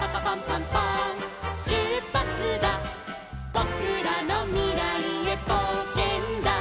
「ぼくらのみらいへぼうけんだ」